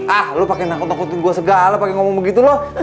ah lu pake nangkut nangkutin gua segala pake ngomong begitu loh